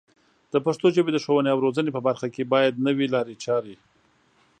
د پښتو ژبې د ښوونې او روزنې په برخه کې باید نوې لارې چارې